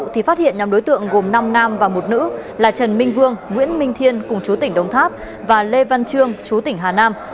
thì phát hiện nhóm đối tượng gồm năm nam và một nữ là trần minh vương nguyễn minh thiên cùng chú tỉnh đồng tháp và lê văn trương chú tỉnh hà nam